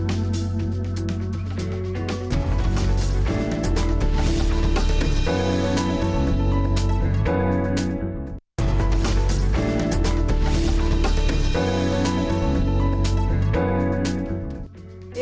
pembinaan ideologi pancasila